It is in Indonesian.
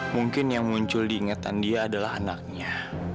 mungkin yang muncul diingetan dia adalah anaknya